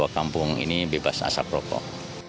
kampung ini bebas asap rokok